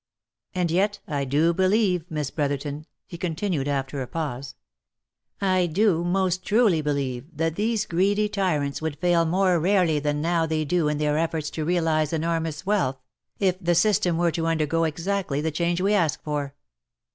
And yet I do believe, Miss Brotherton," he continued, after a pause, " I do most truly believe that these greedy tyrants would fail more rarely than now they do in their efforts to realize enormous wealth, if the system were to undergo exactly the change we ask for.